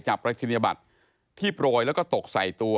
จับรัฐศิลป์ที่โปรยแล้วก็ตกใส่ตัว